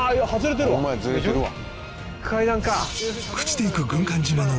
ずれてるわ。